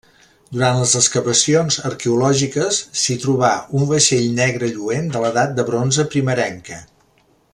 Durant les excavacions arqueològiques s'hi trobà un vaixell negre lluent de l'edat de bronze primerenca.